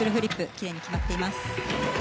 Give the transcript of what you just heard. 奇麗に決まっています。